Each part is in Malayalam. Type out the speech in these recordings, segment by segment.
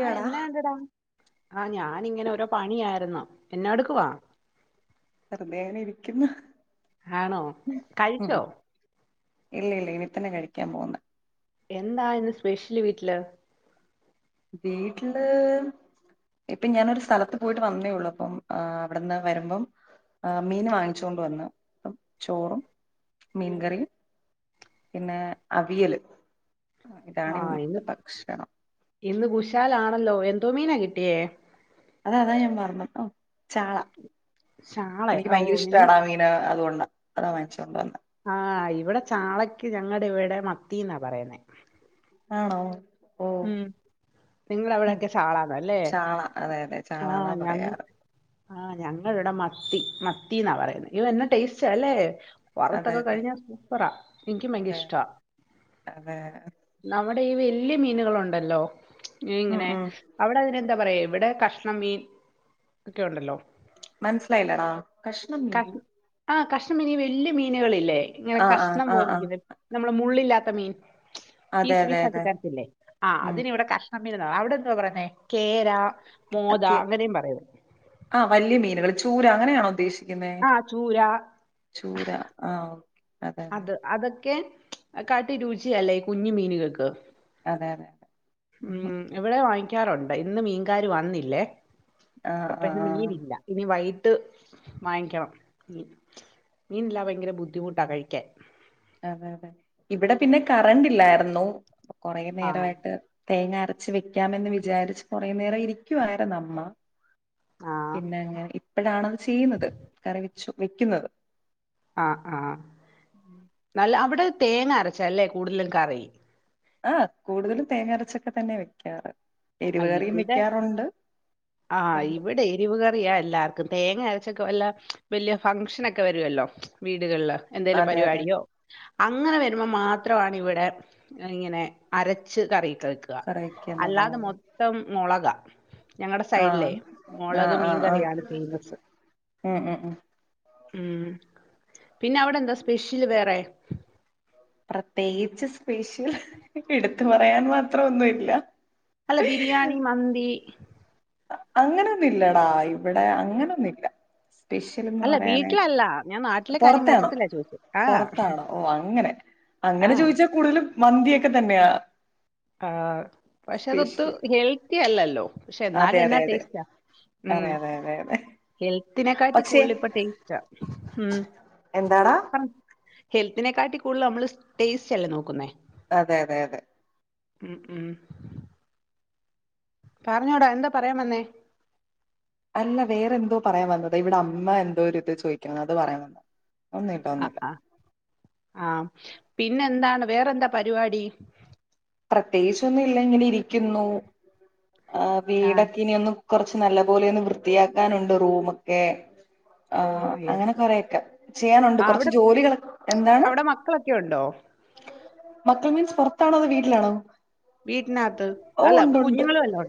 ആ എന്നാ ഒണ്ടടാ ആ ഞാനിങ്ങനെ ഒരോര പണിയാര്ന്നു എന്നാ എട്ക്കുവാ വെറുതെ അങ്ങനെ ഇരിക്ക്ന്ന് ആണോ കഴിച്ചോ ഇല്ല ഇല്ല ഇനി തന്നെ കഴിക്കാൻ പോന്ന് എന്താ ഇന്ന് സ്പെഷ്യല് വീട്ടില് വീട്ടില് ഇപ്പൊ ഞാനൊര് സ്ഥലത്ത് പോയിട്ട് വന്നേ ഒള്ളു അപ്പം അവട്ന്ന് വെരാമ്പം ആ മീൻ വാങ്ങിച്ചോണ്ട് വന്ന് ചോറും മീൻകറിയും പിന്നെ അവിയല് ഇതാണ് ആഹ് ഇന്ന് ഇന്നത്തെ ഭക്ഷണം ഇന്ന് കുശാലാണല്ലോ എന്തോ മീനാ കിട്ടിയേ അതാ അതാ ഞാൻ [unintelligible] ചാള ചാളെ എനിക്ക് ഓ ഭയങ്കര നിങ്ങ ഇഷ്ടാണ് ആാ മീനേ അതുകൊണ്ടാ അതാ വാങ്ങിച്ചൊണ്ട് വന്നോ ആാ ഇവടെ ചാളക്ക് ഞങ്ങടെ ഇവടെ മത്തിന്നാ പറയ്ന്നേ ആണോ ഓ നിങ്ങടെ ഉം അവടെക്കെ ചാളാന്നല്ലേ ചാള അതെ അതെ ആാ ചാളന്നാ ഞ പറയാറ് ആാ ഞങ്ങള് ഇവടെ മത്തി മത്തിയെന്നാ പറയ്ന്നേ ഇയ്യോ എന്നാ ടേസ്റ്റ് അല്ലേ അതെ വറ്ത്തൊക്കെ അതെ കഴിഞ്ഞാ സൂപ്പറാ എനിക്കും ഭയങ്കര അതെ ഇഷ്ടാ അതെ അവ അവടെ വല്ല്യായ മീന്കളോണ്ടല്ലോ ഉം ഇങ്ങനെ ഉം അവടെ അതിന് എന്താ പറേയും ഇവടെ കഷണം മീൻ ഒക്കെ ഒണ്ടല്ലോ മനാസില്ലായില്ലടാ കഷ്ണംം മീനേ ആാ കഷ്ണം മീനി വല്ല്യായ മീനുകളില്ലേ ഇങ്ങനെ ആ ആ കഷ്ണം ആ ആ പോലിരിക്കന്നേ നമ്മടെ മുള്ളില്ലാത്ത മീൻ അതെ പീസ് അതെ പീസ് ആക്കി അതെ തെരത്തില്ലേ ആാ ഉം അതിന് ഇവടെ കഷ് [unintelligible] അവടെ എന്തുവാ പറയ്ന്നേ കേരാ അക്ക് ആ വല്ല്യായ മീന്കള് ചൂരാ അങ്ങനെയാണോ ഉദ്ദേശിക്ക്ന്നേ ആ ചൂര ചൂരാ ആാ അത് അതൊക്കെ കാട്ടി രുചിയല്ലേ ഈ കുഞ്ഞ് മീന്കക്ക് അതെ അതെ ഉം ഇവടെ വാങ്ങിക്കാറോണ്ട് ഇന്ന് മീൻകാര് വന്നില്ലേ ആ ആ അപ്പം ഇന്ന് ആ മീനില്ല ഇനി വൈ ഇട്ട് വായ്ക്കണം മീൻ മീനല്ലാതെ ഭയങ്കര ബുദ്ധിമുട്ടാ കഴിക്കൻ ആാ [unintelligible] ഇവടെ പിന്നെ കറണ്ട് ഇല്ലാര്ന്നു കൊറേ ആ നേരായിട്ട് തേങ്ങ അരച്ച് വെക്കാമെന്ന് വിചാരിച്ച് കൊറേ നേരം ഇരിക്ക്യാലൾവാര്ന്ന് അമ്മ ആ പിന്നെ അങ്ങനെ ഇപ്പഴാണത് ചെയ്യ്ന്നാത് കറി വച്ചു വെക്കുന്നത് ആാ ആാ നല്ല അവടെ തേങ്ങ അരച്ചാല്ലേ കൂട്ല്ലും കറി ആ കൂടുതലും തേങ്ങ അരച്ചൊക്കെ തന്നെയാ വെക്ക്യാറ് ആാ ഇവടെ ആാ ഇവടെ എരിവ് കറിയാ എല്ലാർക്കും തേങ്ങ അരച്ചൊക്കെ വല്ലാ വല്ല്യായ ഫംഷനാക്കെ വെരുവാല്ലോ വീട്കളില് എന്തേലും അതെ അതെ പരിപാടിയോ അങ്ങനെ വരുമ്പോം മാത്രം ആണ് ഇവടെ ഇങ്ങനെ അരച്ച് കറി വെക്ക്യാ കറിവെക്കുന്നതോ അല്ലാതെ മൊത്തം മൊളകാ ഞങ്ങടെ ആഹ് സൈഡില്ലേ മൊളക് ആഹ് ആഹ് ആഹ് മീൻകറിയാണ് ഫേമസ് ഉം ഉം ഉം ഉം പിന്നെ അവടെ എന്താ സ്പെഷ്യല് വേറെ പ്രത്യേകിച്ച് സ്പെഷ്യല് എട്ത്ത് പറയാൻ മാത്രം ഒന്നും ഇല്ലാ അല്ല ബിരിയാണി, മന്തി അങ്ങനൊന്നും ഇല്ലടാ ഇവടെ അങ്ങനൊ ഒന്നു ഇല്ലാ ഡിഷിലിന്ന് അല്ല പറയാനായിട്ട് വീട്ടിലല്ല. ഞാൻ നാട്ടിലെ കാര്യം പൊറത്തെയാണോ മൊത്തത്തിലാ ചോദിച്ചത്. ആ, പൊറത്താണോ ഓ അങ്ങനെ ആ, അങ്ങനെ ചോദിച്ചാ കൂടുതലും മന്തിയൊക്കെ തന്നെയാ ആ പക്ഷെ അതൊത്ത് സ്പെഷ്യൽ ഹെൽത്തിയല്ലല്ലോ പക്ഷെ അതെ എന്നാലും എന്നാ അതെ അതെ ടേസ്റ്റാ ഉം അതെ അതെ അതെ അതെ ഹെൽത്തിനെക്കാട്ടി പക്ഷെ കൂടുതലിപ്പ ടേസ്റ്റ ഉം എന്താടാ ഹെൽത്തിനെക്കാട്ടി കൂടുതല് നമ്മള് ടേസ്റ്റല്ലേ നോക്കുന്നേ അതെ അതെ അതെ ഉം ഉം പറഞ്ഞോടാ എന്താ പറയാൻ വന്നേ അല്ല വേറെന്തോ പറയ വന്ന് ഇവിടമ്മ എന്തോ ഇര്ത് ചോയിക്കുന്നത് അത് പറയാൻ വന്നതാ ഒന്നുമില്ല ആ ഒന്നുമില്ല ആ ആഹ് പിന്നെ എന്താണ് വേറെന്താ പരിപാടി പ്രത്യേകിച്ചൊന്നുല്ല ഇങ്ങനെ ഇരിക്കുന്നു ആ വീടൊക്കെ ഇനിയൊന്ന് കൊറച്ച് നല്ല പോലെയൊന്ന് വൃത്തിയാക്കാനുണ്ട് റൂമൊക്കെ ആ അങ്ങനെ കൊറെയൊക്കെ ചെയ്യാനുണ്ട് ആ, കുറച്ച് അവിടെ ജോലികള് എന്താണ് ണ്ടോ മക്കൾ മീൻസ് പൊറത്താണോ അതോ വീട്ടിലാണോ വീട്ടിനകത്ത് ഓ അല്ല ഉണ്ട് ഉണ്ട് കുഞ്ഞുങ്ങളുല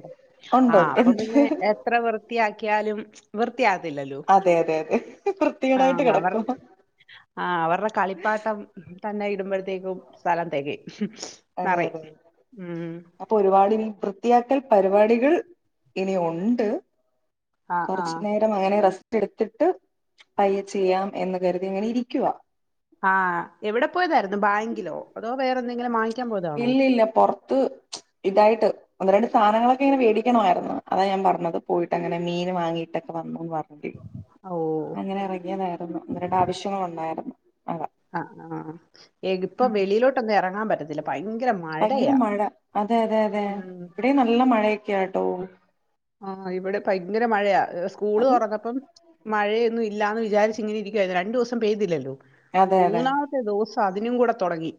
ഉണ്ട് ആ ഉണ്ട് ഉണ്ട് അപ്പപ്പിന്നെ എത്ര വൃത്തിയാക്കിയാലും വൃ ത്തിയാവില്ലല്ലോ അതെ അതെ അതെ ആ വൃത്തികേടായിട്ട് അവർ കിടക്കും ആ അവർടെ കളിപ്പാട്ടം തന്നെ ഇടുമ്പഴത്തേക്കും സ്ഥലം തെകയും അതെ നറയും അതെ അപ്പൊ ഒരുപാടിനി വൃത്തിയാക്കൽ പരിപാടികൾ ഇനിയുണ്ട് ആ ആ. കൊറച്ചുനേരം അങ്ങനെ റെസ് എടുത്തിട്ട് പയ്യെ ചെയ്യാം എന്ന് കരുതി ഇങ്ങനെ ഇരിക്കുവാ ആഹ് എവിടെപ്പോയതായിരുന്നു ബാങ്കിലോ അതോ വേറെന്തെങ്കിലും വാങ്ങിക്കാൻ പോയതാണോ? ഇല്ലില്ല പൊറത്ത് ഇതായിട്ട് ഒന്ന് രണ്ട് സാനങ്ങളൊക്കിങ്ങനെ മേടിക്കണവായിരുന്നു അതാ ഞാൻ പറഞ്ഞത് പോയിട്ടങ്ങെ മീന് വാങ്ങീട്ടൊക്കെ വന്നുന്ന് പറഞ്ഞു ഓ! അങ്ങനെ ഇറങ്ങിയതായിരുന്നു ഒന്ന് രണ്ടാവശ്യങ്ങളുണ്ടായിരുന്നു ആ ആ ഇതിപ്പൊ വെളിയിലോട്ടൊന്നും ഇറങ്ങാൻ പറ്റത്തില്ല ഭയങ്കര ഭയങ്കര മഴയാ. മഴ അതെ അതെ അതെ ഇവിടേം നല്ല മഴയൊക്കെയാട്ടോ ആഹ് ഇവിടെ ഭയങ്കര മഴയാ സ്കൂള് അതും തൊറന്നപ്പം മഴയൊന്നും ഇല്ലാന്ന് വിചാരിച്ചിങ്ങനെ ഇരിക്കുവായിരുന്നു രണ്ടുദിവസം പെയ്തില്ലല്ലോ അതെ അതെ മൂന്നാമത്തെ ദിവസം അതിനുംകൂടെ തൊടങ്ങി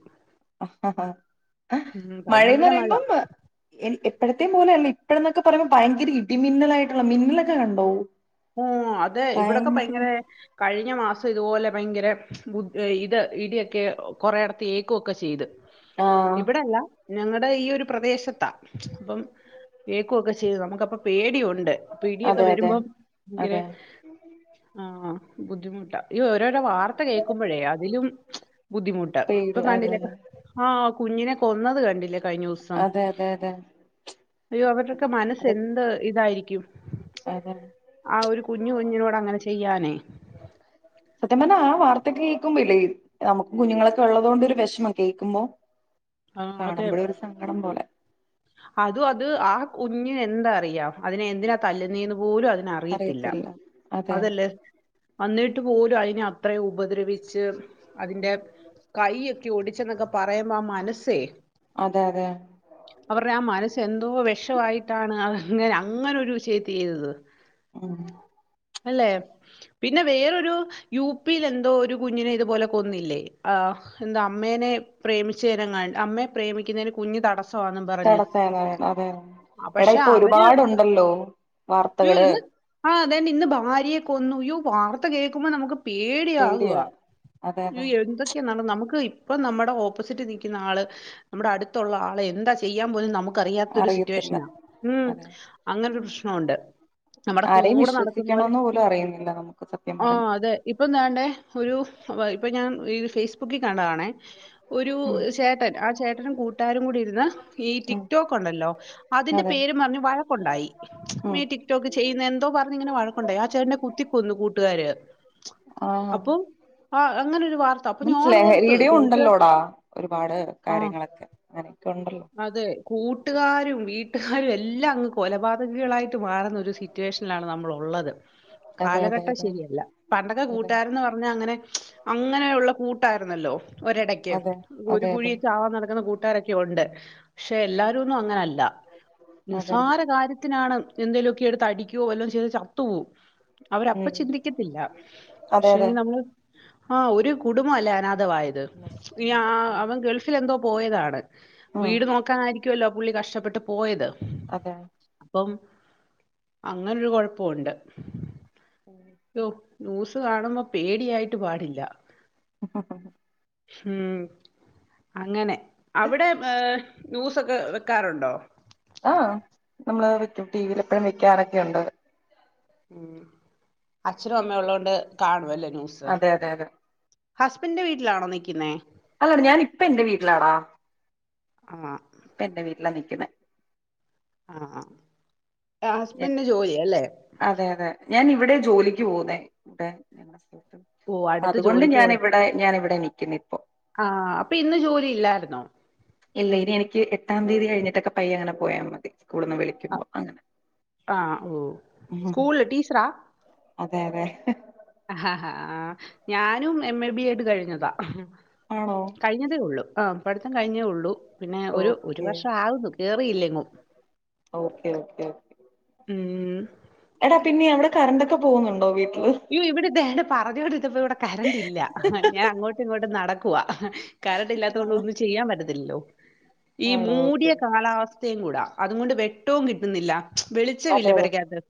മഴയെന്ന് ഭയങ്കര മഴ പറയുമ്പം എപ്പഴ ത്തേം പോലെയല്ല ഇപ്പളെന്നെക്കെ പറയുമ്പൊ ഭയങ്കര ഇടിമിന്നലായിട്ടുള്ള മിന്നലൊക്കെ കണ്ടോ ഓ അതെ ഇവിടൊക്കെ ഭയങ്കര കഴിഞ്ഞ മാസം ഇതുപോലെ ഭയങ്കര ഇത് ഇടിയൊക്കെ കൊറെയെടത്ത് ഏക്കു ഒക്കെ ചെയ്ത് ആഹ് ഇവിടല്ല ഞങ്ങളു ടെ ഈ ഒരു പ്രദേശത്താ അപ്പം ഏക്കു ഒക്കെ ചെയ്തെ നമുപ്പം പേടിയുണ്ട് ഇപ്പിടിയൊക്കെ അതെ അതെ വരുമ്പം ഭയങ്കര അതെ ആഹ് ബുദ്ധിമുട്ടാ ഈ ഓരോരോ വാർത്ത കേൾക്കുമ്പഴേ അതിലും ബുദ്ധിമുട്ട് ഇപ്പൊ പേടി അതെ കണ്ടില്ലേ ആ കുഞ്ഞിനെ കൊന്നത് കണ്ടില്ലേ കഴിഞ്ഞ ദിവസം അതെ അതെ അതെ അതെ അയ്യോ അവരുടൊക്കെ മനസ്സ് അത് എന്ത് ഇതായിരിക്കും അതെ ആ ഒരു കുഞ്ഞു കുഞ്ഞിനോടങ്ങനെ ചെയ്യാനേ സത്യം പറഞ്ഞാ ആ വാർത്തകേക്കുമ്പില്ലേ നമുക്ക് കുഞ്ഞുങ്ങളൊക്കൊള്ളത് കൊണ്ടൊരു വിഷമം കേൾക്കുമ്പൊ ആ, അതെ കാണുമ്പഴേ ഒരു സങ്കടം പോലെ അതും അത് ആ കുഞ്ഞിനെന്തറിയാം അതിനെ എന്തിനാ തല്ലുന്നേന്ന്പോലും അതിനറിയത്തില്ല അറിയത്തില്ല അതെ അതല്ലേ വന്നിട്ട് പോലും അതിനെ അത്രയും ഉപദ്രവിച്ച് അതിന്റെ കൈ ഒക്കെ ഓടി എന്നൊക്കെ പറയുമ്പോ മനസ്സേ അതെ അതെ അവരുടെ ആ മനസ്സ എന്തോ വിഷമായിട്ടാണ് അങ്ങനെ അങ്ങനെൊരു വി ചെയയ ചെയ്തത് ആഹ അല്ലെ പിന്നെ വേറരു യു പിയിൽ എന്തോ ഒരു കുഞ്ഞിനെ ഇതുപോലെ കൊന്നില്ലേ ആ എന്താ അമ്മേനെ പ്രേമിച്ചേനെ അമ്മയെ പ്രേമിക്കുന്നതിന് കുഞ്ഞഞ് തട തടസ്സ അത അതെതെ ആ, എടാ പക്ഷെ ഇപ്പൊ അവര് ഒരുപാടുണ്ടല്ലോ അയ്യോ വാർത്തകള് ഇന്ന് ആ അതന്നെ ഇന്ന് ഭാര്യെ കൊന്നുയോ വാർത്ത കേൾക്കുമ്പോൾ നമുക്ക് പേടിയ ആകവാ പേടിയാ അതെ അതെ എന്തൊക്കെയാെന്ന നമുക്ക് ഇപ്പം നമ്മുടെ ഓപ്പോസിറ്റ് നിൽക്കുന്ന ആള് നമ്മുടെ അടുത്തുള്ള ആള് എന്താ ചെയ്യാൻ പോലും നമുക്ക് അറത്ത അറിയത്തില്ല സിറ്റേഷന ഉ അതെ അങ്ങന പ്രശനണ്ട് നമ്മ കൂ ആരെയും വിശ്വസിക്കണന്ന് പോലും അറിയുന്നില്ല നമുക്ക് സത്യം ആ പറഞ്ഞ അതെ ഇപ്പൊ വേണ്ടേ ഒരു ക ഉം ചട്ട ച അും കൂട്ടുകാരും കൂടി ഇരുന്ന് ഈ ഉം ടിക്ടോക്ക് ഉണ്ടല്ലോ അതിന്റെ അതെ പേര് പറഞ്ഞ് ഉം വഴക്കുണ്ടായിീഈ ടിക്ടോക്ക് ചെയ്യുന്ന എന്തോ പറഞ്ഞനെഴ ണ്ട ആ ചേട്ടന്റെ കുത്തിക്കന്നു കൂട്ടുകാര് ആഹ് അപ്പ ആ അങ്ങനെരു മീൻസ് ലഹരിയുടെയും ഉണ്ടല്ലോടാ ഒരുപാട് ആ കാര്യങ്ങളൊക്കെ അങ്ങനെയൊക്കെ ഉണ്ടല്ലോ അതെ. കൂട്ടുകാരും വീട്ടുകാരും എല്ലാം അങ്ങ് കൊലപാതകങ്ങളായിട്ട് മാറുന്ന ഒരു സിറ്റുവേഷനിലാണ് നമ്മളള്ളത് അതെ അതെ കാലഘട്ടം അതെ ശരിയല്ല പണ്ടൊക്കെ അതെ കൂട്ടുകാരന്ന് പറഞ്ഞാ അങ്ങനെ അങ്ങനെയുള്ള കൂ കട്ടായിരുന്നല്ലോ ഒരിടക്ക് അതെ ഒരു അതെ കുുഴി അതെ ചാ നടക്കുന്ന കൂട്ട രൊക്കെ ഉണ്ട് പക്ഷെ എല്ലാരും ഒന്നും അങ്ങനല്ല അതെ നിസ്സാര കാര്യത്തിനാണ് എന്തേലുമ ഒക്കെ എടുത്ത് അടിക്കോ വല്ലോ ചെയ്ത് ചത്തുപോവും അവരപ്പ ഉം ചിന്തിക്കത്തില്ല അതെ അതെ പക്ഷെങ്ക നമ്മള് ആ ഒരു കുടുംബം അല്ല ായത് ഇ നശിക്കുന്നത് ഉം അവൻ ഗൾഫിൽ എന്തോ പോയതാണ് ഉം വീട് നോക്കാനായിരിക്കുമല്ലോ പുള്ളി കഷ വിട്ട് പോയത് അതെ അപ്പം അങ്ങനൊരു കുഴപ്പംണ്ട് ന്യൂസ് കാണുമ്പോ പേടിയായിട്ട് പാടില്ല ഹഹ ഹ ഹ ഹം അങ്ങനെ അവിടെ ർ ന്യൂസൊക്കെ വെക്കാറുണ്ടോ ആ നമ്മള് വെക്കും ടിവിൽ എപ്പഴും വെക്കാറൊക്കെ ഉണ്ടത് ഉം അച്ഛനും അമ്മയ ഉള്ളതത് കൊണ്ട് കാണുവല്ലേ അതെ അതെ അതെ ഹസ്ബൻഡന്റെ വീട്ടിലാണോ നിൽക്കുന്നേ അല്ലാട ഞാൻ ഇപ്പ എൻറെ വീട്ടിലാടാ ആ എല്ല നിക്കുന്ന ആഹ അതെ അതെ ഞാൻ ഇവിടെ ജോലിക്ക് പോുന്നേ ഇവിടെ ഓഹ് അടുത്ത് അതുകൊണ്ട് ജോലിക്ക് ഞാന പോയ ഇവിടെ ഞാന ഇവിടെ നിക്കുന്ന ആഹ് അപ്പൊ ഇന്ന് ജോലി ഇല്ലായിരുന്നോ? ഇല്ല ഇനി എനിക്ക് എട്ടാം തീയതി കഴിഞ്ഞിട്ടൊക്കെ പയ്യ അങ്ങനെ പോയാൽ മതി കൂടെന്ന് വിളിക്കുമ്പോ അഹ് അങ്ങനെ ആഹ് ഓഹ് സ്കൂളില് അതെ അതെ ഹാ ഹാ ആ ഞാനും എം എ ബി എഡ് കഴിഞ്ഞതാ ആണോ കഴിഞ്ഞതേ ഉള്ളു ആഹ പഠത്തം കഴിഞ്ഞേ ഉള്ളൂ പിന്നെ ഒരു ഒരു ഓക്കെ വർഷം ആവുന്നു കേറിയില്ലെങ്ങും ഓക്കെ ഓക്കേ ഓേ ഉം എടാ പിന്നെ അവിടെ കറണ്ടൊക്കെ പോന്നൊണ്ടോ വീട്ട് ഇയ്യോ ഇവിടെ ദേണ്ടെ പറഞ്ഞോണ്ടിര്ന്നപ്പ ഇവടെ കരണ്ട് ഇല്ല ഞാൻ അങ്ങോട്ടും ഇങ്ങോട്ടും നടക്കുവാ കരണ്ടില്ലാത്തോണ്ട് ആണോ ഒന്നും ചെയ്യാൻ പറ്റത്തില്ലല്ലോ ഈ ആണോ മൂടിയ ഓക്കെ കാലാവസ്ഥ ത്തയും കൂടാ അതുകൊണ്ട് വെട്ടവും കിട്ടുന്നില്ല വെളിച്ചവില്ല അതെ അതെ പെരക്കാത്ത്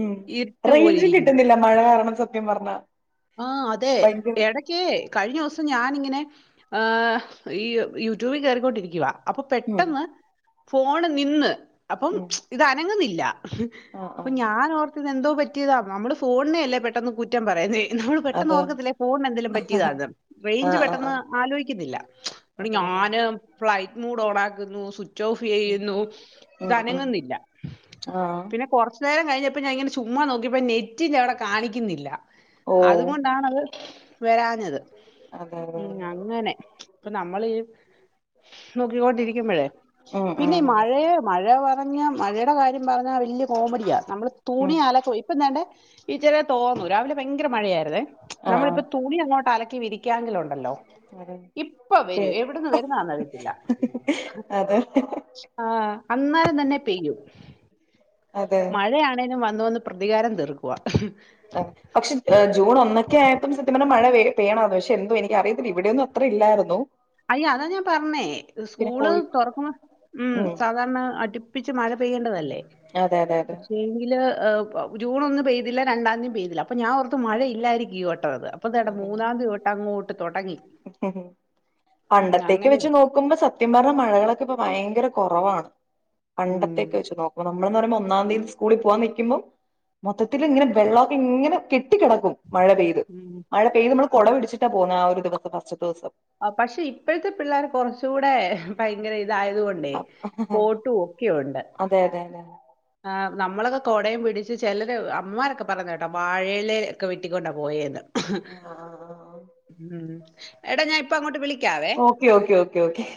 ഉം ഇരുട്ട് പോലെ റേഞ്ചും ഇരിക് കിട്ടുന്നില്ല മഴ കാര്ണം സത്യം പർഞ്ഞ ആ അതെ എടക്കേ കഴിഞ്ഞൂസം ഞാനിങ്ങ ങ്ങനെ ഏ ഈ യൂട്യൂബി കേറിക്കൊണ്ടിരിക്കുവാ അപ്പൊ ഉം പെട്ടന്ന് ഫോണ് നിന്ന് അപ്പം ഉം ഇത് അനങ്ങുന്നില്ല ആ ആ അപ്പൊ ഞാൻ ഓർത്തിതെന്തോ പറ്റ്യേതാ നമ്മള് ഫോൺനെ അല്ലേ പെട്ടെന്ന് കുറ്റം പറെന്നേ നമ്മൾ പെട്ടെന്ന് അതെ ഓർക്കത്തില്ലേ ഫോൺ എന്തേലും പറ്റിയതാന്ന് ആ റേഞ്ച് ആ ആ പെട്ടെന്ന് ആലോയിക്കുന്നില്ല [unintelligible] അതെ അതെ ഞാന് ഫ്ലൈറ്റ് മൂഡ് ഓൺ ആക്കുന്നു ഉം ചോഫെയ്യുന്നു ഇത് ഉം ഉം അനങ്ങുന്നില്ല ആ പിന്നെ കൊറച് നേരം കഴിഞ്ഞപ്പോ ഞാൻ ഇങ്ങനെ ചുമ്മാ നോക്കിയപ്പോ നെറ്റിന്റെ അവിടെ കാണിക്കുന്നില്ല ഓ അതുകൊണ്ടാണത് വരാഞ്ഞത് അതെ അതെ ഉം അതെ അങ്ങനെ ഇപ്പൊ നമ്മളീ നോക്കിക്കോണ്ടിരിക്കുമ്പഴേ ഉം ഉം പിന്നെ ഈ മഴയ മനസ്സിലായി മഴ പറഞ്ഞ മഴേടെ കാര്യം പറഞ്ഞ വല്യ കോമഡിയ നമ്മള് ഉം തുണി അലക്കുവാ ഇപ്പ ദാണ്ടേ ഇച്ചിരിതോർന്നു രാവിലെ ഭയ ഭയ്ങ്കര മഴയാര്ന്നെ ആ ആ നമ്മളിപ്പൊ തുണി അങ്ങോട്ട് അലക്കി വിരി കാങ്കിലുണ്ടല്ലോ ഉണ്ടല്ലോ അതെ ഇപ്പൊ പി വരും എവിടുന്ന് വരുന്നാന്നറിയത്തില്ല അതെ അതെ ആ അന്നാരം തന്നെ പെയ്യും അതെ മഴയാണേലും വന്നുവന്ന് പ്രതികാരം തീർക്കുവാ അ പക്ഷേ ജൂൺ ഒന്നൊക്കെയായ്ട്ടും സത്യം പറഞ്ഞ മഴ പേയ്യണാർന്നു പക്ഷെ എന്തോ എനിക്കറിയത്തില്ല ഇവിടെയന്നുംഅത്ര ഇല്ലായിരുന്നു അയ്യ അതാ ഞാൻ പർഞ്ഞേ പിന്നെ സ്കൂള് കോഴി തൊർക്കുമ്പ ഉം സാധാരണ അടിപ്പി മഴ പെയ്യേണ്ടതല്ലേ അതെ അതെ അതെ പക്ഷേങ്കില് ജൂണൊന്നും പെയ്തില്ല രണ്ടാതീം പെയ്തില്ല അപ്പം ഞാൻ ഓർത്ത് മഴയില്ലായിരിക്കീ വട്ടോ ത് അപ്പൊ ദേണ്ടേ അതെ മൂന്നാന്തീ തോട്ട് അങ്ങോട്ട് തൊടങ്ങി ഉം പണ്ടത്തേക്കെ അങ്ങനെ വെച്ച് നോക്കുമ്പ സത്യം പർഞ്ഞ മഴകളൊക്കെപ്പ ഭയ്ങ്കര കൊറവാണ് ഉം. പണ്ടത്തേക്ക് വെച്ചു നോക്ക നമ്മളന്ന് പറയുമ്പോ ഒന്നാം തീയതി സ്കൂളിൽ പോവാൻ നിക്കുമ്പം മൊത്തത്തിൽ ഇങ്ങനെ വെള്ളൊക്കെ ഇങ്ങനെ കെട്ടി കിടക്കും മഴ പെയ്ത് ഉം. മഴ പെയ്ത് മ്മള് കൊടപിടിച്ചിട്ടാ പൊന്നേ ആ ഒരു ദിവസം ഫസ്സ്റ്റിത്തൂസം പക്ഷെ ഇപ്പോഴത്തെ പിള്ളാര് കുറച്ചുകൂടെ ഭയങ്കര ഇതായതുകൊണ്ടേ കോട്ടും ഒക്കെയുണ്ട് അതെ അതെ അതെ ആ നമ്മളൊക്കെ കൊടയും പിടിച്ച് ചെലര് അമ്മാരൊക്കെ പറേന്നയ കേട്ടാ വാഴയിലെ ഒക്കെ വെട്ടിക്കൊണ്ടാ പോയേന്ന് ഉം എടാ ഞാൻ ഇപ്പ അങ്ങോട്ട് വിളി ഓക്കേ ഓക്കേ ഓക്കെ ഓക്കേ